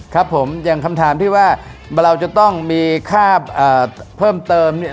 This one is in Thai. ครับผมอย่างคำถามที่ว่าเราจะต้องมีค่าเพิ่มเติมเนี่ย